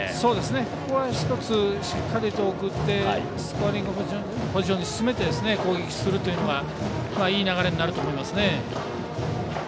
ここは１つしっかりと送ってスコアリングポジションに進めて攻撃するというのがいい流れになると思いますね。